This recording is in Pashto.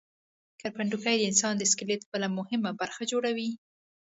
کرپندوکي د انسان د سکلیټ بله مهمه برخه جوړوي.